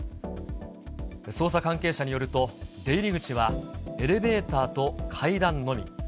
捜査関係者によると、出入口はエレベーターと階段のみ。